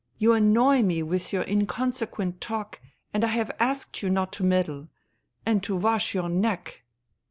You annoy me with your inconsequent tall ; and I have asked you not to meddle ... and t wash your neck."